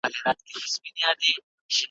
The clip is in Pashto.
زرکي هم کرار کرار هوښیارېدلې ,